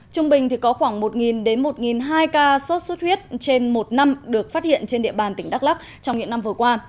trung bình có khoảng một đến một hai ca sốt xuất huyết trên một năm được phát hiện trên địa bàn tỉnh đắk lắc trong những năm vừa qua